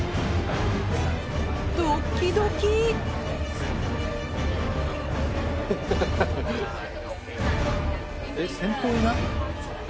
ドッキドキえっ先頭いない？え？